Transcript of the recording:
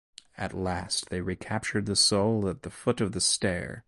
At last they recaptured the soul at the foot of the stair.